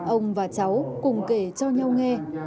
ông và cháu cùng kể cho nhau nghe